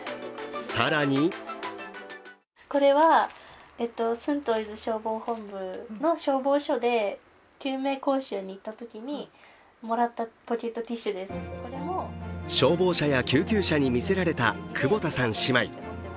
更に消防車や救急車にみせられた久保田さん姉妹。